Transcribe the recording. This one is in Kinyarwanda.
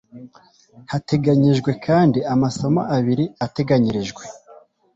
hateganyijwe kandi amasomo abiri ateganyirijwe